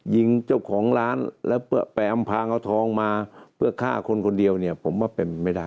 ยิงเจ้าของร้านแล้วไปอำพางเอาทองมาเพื่อฆ่าคนคนเดียวเนี่ยผมว่าเป็นไม่ได้